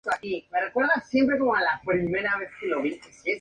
Jordan es mitad filipina, mitad alemana.